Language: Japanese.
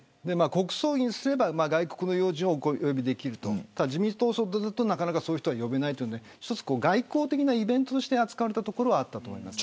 国葬にすれば外国の要人を呼べる自民党葬だとなかなかそういう人が呼べないので外交的なイベントとして扱われたところがあると思います。